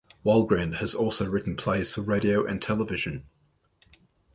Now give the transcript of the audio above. Wahlgren has also written plays for radio and television.